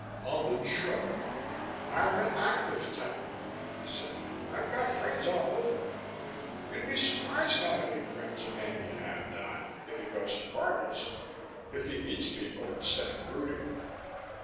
Albin shrugged. "I'm an active type," he said. "I've got friends all over. You'd be surprised how many friends a man can have, Dodd, if he goes to parties. If he meets people instead of brooding."